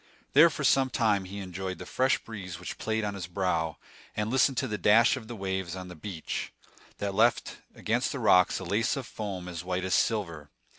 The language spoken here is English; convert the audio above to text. There for some time he enjoyed the fresh breeze which played on his brow, and listened to the dash of the waves on the beach, that left against the rocks a lace of foam as white as silver.